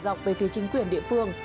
nó liên quan đến đấy